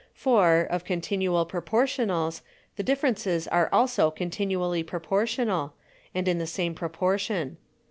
For, of continual Proportionals, the Differences are also continually proportional, and in the same proportion.